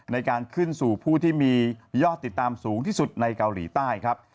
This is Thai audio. ในการขึ้นสู่ผู้ที่มียอดติดตามสูงที่สุดในเกาหลีใต้ครับ